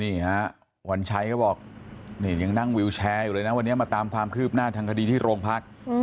นี่ฮะวันชัยก็บอกนี่ยังนั่งวิวแชร์อยู่เลยนะวันนี้มาตามความคืบหน้าทางคดีที่โรงพัก